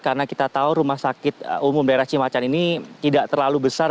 karena kita tahu rumah sakit umum daerah cimacan ini tidak terlalu besar